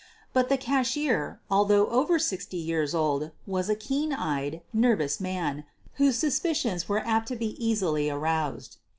But the cashier, although over sixty years old, was a keen eyed, nervous man, whose suspicions were apt to be easily aroused.